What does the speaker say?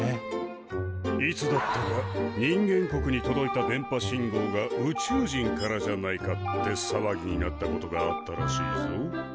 いつだったか人間国に届いた電波信号が宇宙人からじゃないかってさわぎになったことがあったらしいぞ。